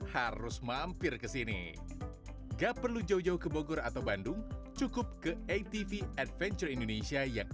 harus mampir ke sini gak perlu jauh jauh ke bogor atau bandung cukup ke atv adventure indonesia yang